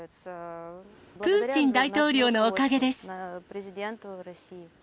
プーチン大統領のおかげです。